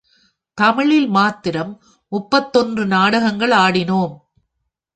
தமிழில் மாத்திரம் முப்பத்தொன்று நாடகங்கள் ஆடினோம்.